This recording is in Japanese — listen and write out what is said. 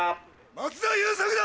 松田優作だ！